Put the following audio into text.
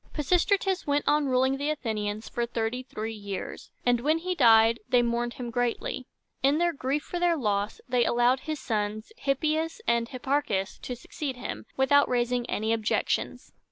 Pisistratus went on ruling the Athenians for thirty three years, and when he died they mourned him greatly. In their grief for their loss, they allowed his sons, Hip´ pi as and Hip par´chus, to succeed him, without raising any objections.